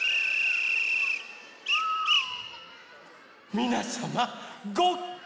みなさまごっき？